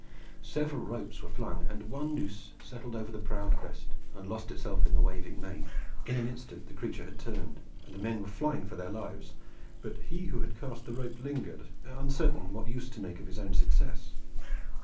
Several ropes were flung, and one noose settled over the proud crest and lost itself in the waving mane. In an instant the creature had turned and the men were flying for their lives; but he who had cast the rope lingered, uncertain what use to make of his own success.